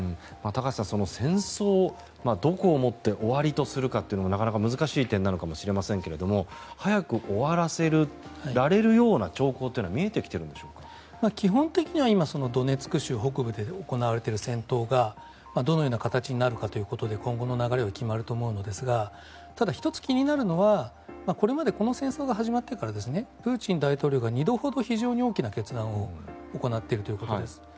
高橋さん、戦争どこをもって終わりとするかもなかなか難しい点なのかもしれませんが早く終わらせられるような兆候というのは基本的にはドネツク州北部で行われている戦闘がどのような形になるかということで今後の流れは決まると思うのですがただ１つ気になるのはこれまでこの戦争が始まってからプーチン大統領が２度ほど非常に大きな決断を行っているということです。